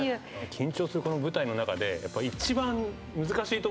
緊張するこの舞台の中で。